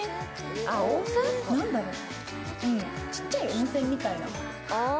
ちっちゃい温泉みたいな。